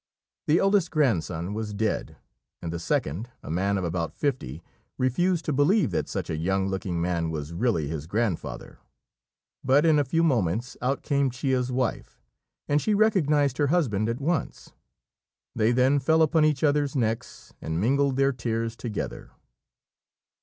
The eldest grandson was dead; and the second, a man of about fifty, refused to believe that such a young looking man was really his grandfather; but in a few moments out came Chia's wife, and she recognised her husband at once. They then fell upon each other's necks and mingled their tears together.